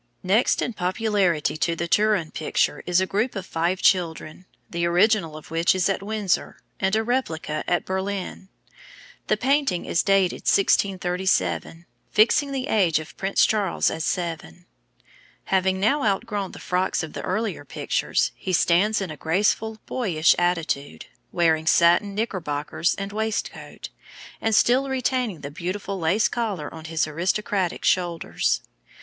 Next in popularity to the Turin picture is a group of five children, the original of which is at Windsor, and a replica at Berlin. The painting is dated 1637, fixing the age of Prince Charles as seven. Having now outgrown the frocks of the earlier pictures, he stands in a graceful boyish attitude, wearing satin knickerbockers and waistcoat, and still retaining the beautiful lace collar on his aristocratic shoulders.